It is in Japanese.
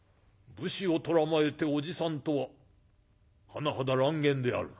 武士を捕らまえて『おじさん』とは甚だ乱言であるな」。